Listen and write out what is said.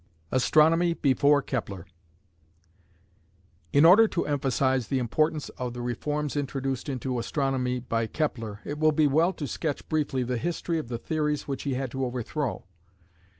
ASTRONOMY BEFORE KEPLER. In order to emphasise the importance of the reforms introduced into astronomy by Kepler, it will be well to sketch briefly the history of the theories which he had to overthrow.